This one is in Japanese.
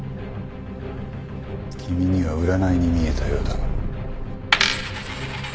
君には占いに見えたようだが。